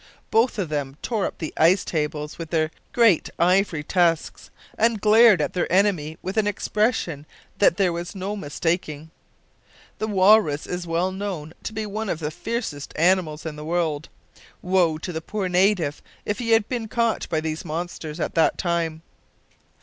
Both of them tore up the ice tables with their great ivory tusks, and glared at their enemy with an expression that there was no mistaking. The walrus is well known to be one of the fiercest animals in the world. Woe to the poor native if he had been caught by these monsters at that time.